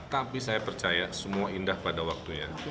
tapi saya percaya semua indah pada waktunya